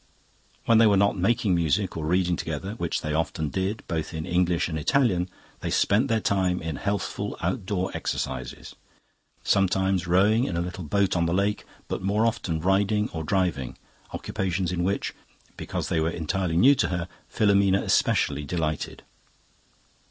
"When they were not making music or reading together, which they often did, both in English and Italian, they spent their time in healthful outdoor exercises, sometimes rowing in a little boat on the lake, but more often riding or driving, occupations in which, because they were entirely new to her, Filomena especially delighted.